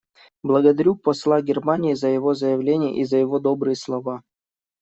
Благодарю посла Германии за его заявление и за его добрые слова.